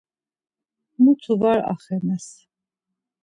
Mutu var axenes.